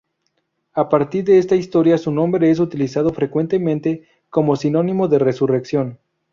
A partir de esta historia su nombre es utilizado frecuentemente como sinónimo de resurrección.